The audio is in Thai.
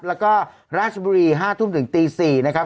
แล้วก็ราชบุรี๕ทุ่มถึงตี๔นะครับ